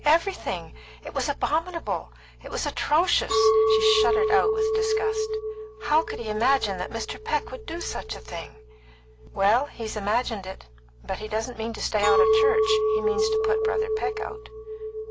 Everything! It was abominable! It was atrocious!" she shuddered out with disgust. "How could he imagine that Mr. Peck would do such a thing?" "Well, he's imagined it. But he doesn't mean to stay out of church; he means to put Brother Peck out."